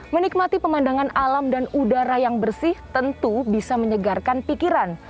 menikmati pemandangan alam dan udara yang bersih tentu bisa menyegarkan pikiran